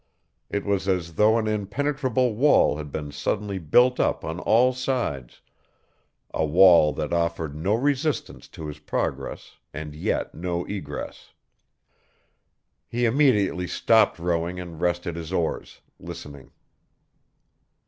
It was as though an impenetrable wall had been suddenly built up on all sides, a wall that offered no resistance to his progress and yet no egress. He immediately stopped rowing and rested his oars, listening.